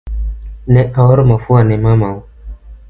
Ne aoro mafua ne mamau